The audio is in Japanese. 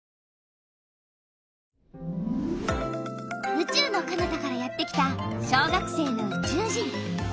うちゅうのかなたからやってきた小学生のうちゅう人！